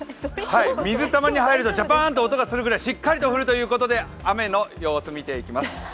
水たまりに入るとジャパーンと音がするくらいしっかりと降るということで雨の様子を見ていきます。